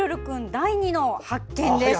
第２の発見です！